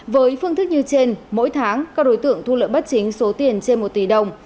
với phương thức như trên mỗi tháng các đối tượng thu lợi bất chính số tiền trên một tỷ đồng